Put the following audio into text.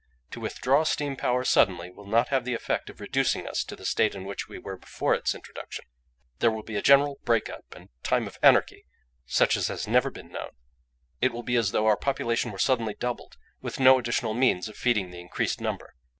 To withdraw steam power suddenly will not have the effect of reducing us to the state in which we were before its introduction; there will be a general break up and time of anarchy such as has never been known; it will be as though our population were suddenly doubled, with no additional means of feeding the increased number.